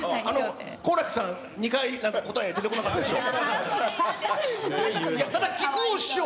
好楽さん、２回、なんか答え出てこなかったでしょ。